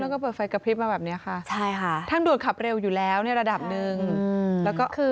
แล้วก็เปิดไฟกระพริบมาแบบนี้ค่ะใช่ค่ะทางด่วนขับเร็วอยู่แล้วในระดับหนึ่งแล้วก็คือ